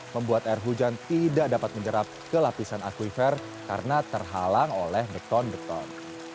membuat air hujan tidak dapat menyerap ke lapisan akuifer karena terhalang oleh beton beton